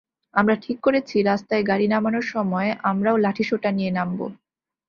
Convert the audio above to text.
আমরা ঠিক করেছি, রাস্তায় গাড়ি নামানোর সময় আমরাও লাঠিসোঁটা নিয়ে নামব।